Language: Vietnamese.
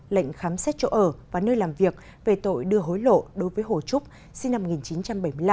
lệnh khám xét chỗ ở và nơi làm việc về tội đưa hối lộ đối với hồ trúc sinh năm một nghìn chín trăm bảy mươi năm